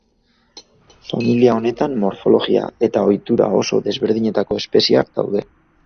Familia honetan morfologia eta ohitura oso desberdinetako espezieak daude.